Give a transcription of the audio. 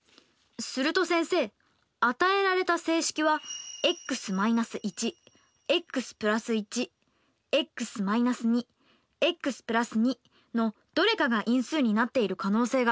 すると先生与えられた整式はのどれかが因数になっている可能性があるんですね。